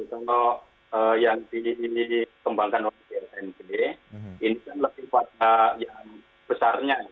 tentu yang dikembangkan oleh bsnp ini lebih pada yang besarnya